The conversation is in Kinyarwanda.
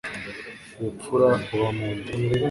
ubupfura buba munda